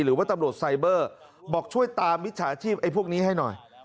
หรือว่าตำรวจไซเบอร์บอกช่วยตามมิจฉาชีพไอ้พวกนี้ให้หน่อย